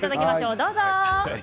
どうぞ。